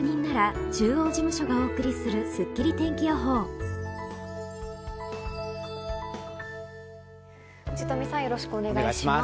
調べに対し藤富さん、よろしくお願いします。